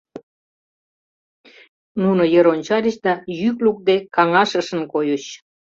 Нуно йыр ончальыч да йӱк лукде каҥашышын койыч.